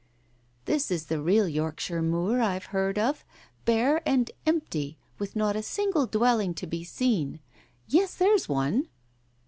"This is the real Yorkshire moor I've read of, bare and empty, with not a single dwelling to be seen. Yes, there's one